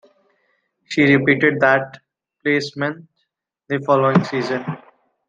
She repeated that placement the following season.